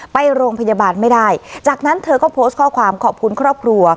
ไปโรงพยาบาลไม่ได้จากนั้นเธอก็โพสต์ข้อความขอบคุณครอบครัว